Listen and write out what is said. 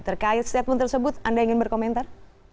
terkait statement tersebut anda ingin berkomentar